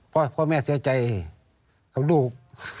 พ่อแม่เสียใจกับลูก